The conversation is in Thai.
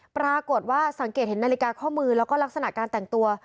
ปรากฏว่าสังเกตเห็นนาฬิกาข้อมือแล้วก็ลักษณะการแต่งตัว